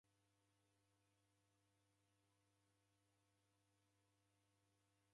Nedeenda marikonyi da niko naw'uya